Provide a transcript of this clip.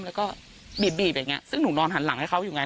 แล้วก็บีบอย่างนี้ซึ่งหนูนอนหันหลังให้เขาอยู่ไง